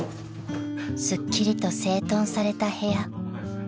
［すっきりと整頓された部屋］